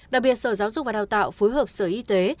đặc biệt sở giáo dục và đào tạo phối hợp sở y tế